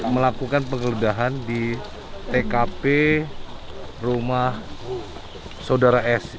melakukan penggeledahan di tkp rumah saudara s